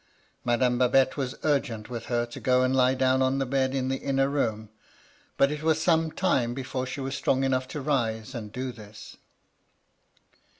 Madame Babettewas urgent with her to go and lie down on the bed in the inner room ; but it was some time before she was strong enough to rise and do this.